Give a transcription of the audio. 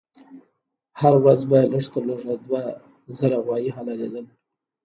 هر ورځ به لږ تر لږه دوه زره غوایي حلالېدل.